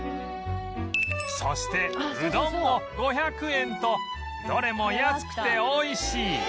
そしてうどんも５００円とどれも安くて美味しい